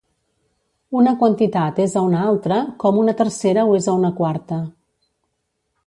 Una quantitat és a una altra, com una tercera ho és a una quarta.